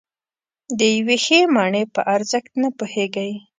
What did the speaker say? نو د یوې ښې مڼې په ارزښت نه پوهېږئ.